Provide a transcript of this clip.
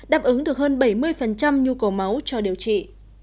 đáp ứng được hơn bảy mươi nhu cầu máu cho điều trị